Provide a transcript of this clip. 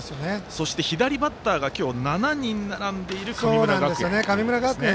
そして、左バッターが今日、７人いる神村学園。